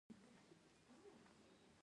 هوا د افغان ځوانانو د هیلو استازیتوب کوي.